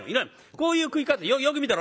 こういう食い方よく見てろ。